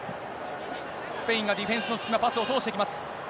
スペインがディフェンスの隙間、パスを通してきます。